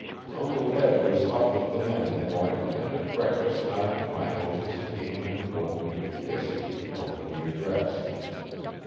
Uncle Eb was up with the men in the morning and at breakfast time my hostess came and woke me with kisses and helped me to dress.